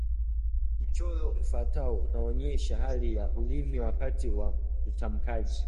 Mchoro ufuatao unaonyesha hali ya ulimi wakati wa utamkaji